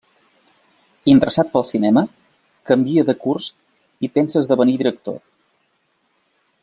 Interessat pel cinema, canvia de curs i pensa esdevenir director.